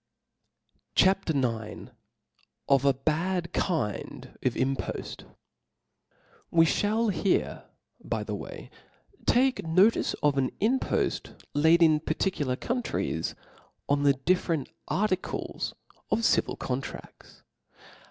CHAP. IX. Of a bad kind g/*Impoft. TXT E (hall here, by the way, take notice of an y^ impoft Jaid in particular countries on the different articles of civil contrafts.